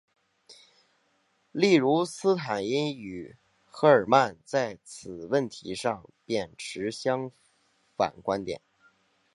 例如斯坦因与赫尔曼在此问题上便持相反观点。